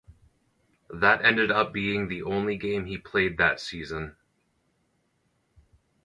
That ended up being the only game he played that season.